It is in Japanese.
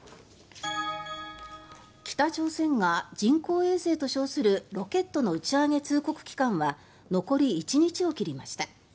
北朝鮮が人工衛星と称するロケットの打ち上げ通告期間は残り１日を切りました。